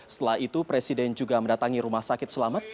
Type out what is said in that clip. setelah itu presiden juga mendatangi rumah sakit selamat